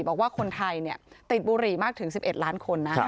บอกว่าคนไทยติดบุหรี่มากถึง๑๑ล้านคนนะ